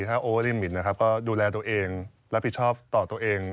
ถ้าโอลิมิตนะครับก็ดูแลตัวเองรับผิดชอบต่อตัวเอง